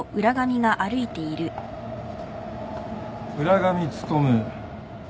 浦上努。